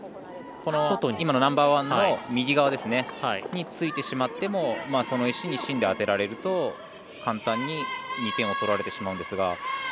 外に今のナンバーワンの右側についてしまってもその石に芯で当てられると簡単に２点を取られてしまうんですが。